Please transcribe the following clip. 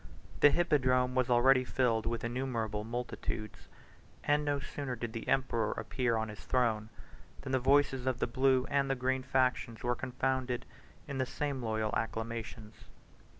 The hippodrome was already filled with innumerable multitudes; and no sooner did the emperor appear on his throne, than the voices of the blue and the green factions were confounded in the same loyal acclamations.